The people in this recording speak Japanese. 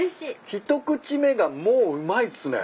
一口目がもううまいっすね。